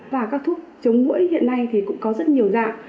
và các thuốc chống mũi hiện nay thì cũng có rất nhiều dạng